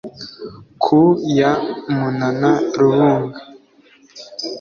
Ku ya Munana rubunga,